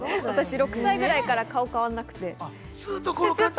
私、６歳ぐらいから顔が変わらなくで。